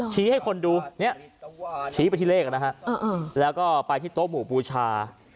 ชี้ให้คนดูชี้ไปที่เลขนะครับแล้วก็ไปที่โต๊ะหมูปูชา